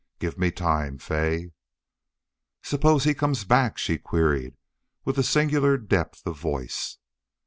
Give me time, Fay." "Suppose HE comes back?" she queried, with a singular depth of voice.